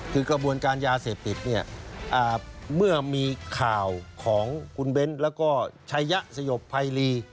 คือกระบวนการยาเสพติดเนี่ยเมื่อมีข่าวของคุณเบ้นแล้วก็ชายะสยบภัยรี